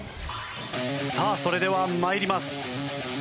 さあそれでは参ります。